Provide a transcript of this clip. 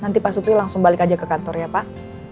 nanti pak supri langsung balik aja ke kantor ya pak